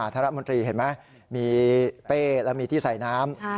รัฐมนตรีเห็นไหมมีเป้แล้วมีที่ใส่น้ำ